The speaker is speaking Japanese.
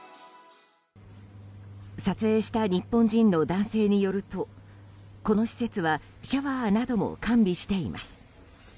撮影した日本人の男性によるとこの施設はシャワーなども完備しています。